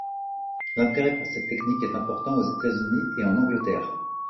L’intérêt pour cette technique est important aux États-Unis et en Angleterre.